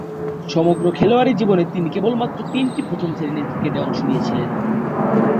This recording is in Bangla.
সমগ্র খেলোয়াড়ী জীবনে তিনি কেবলমাত্র তিনটি প্রথম-শ্রেণীর ক্রিকেটে অংশ নিয়েছিলেন।